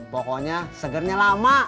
pokoknya segernya lama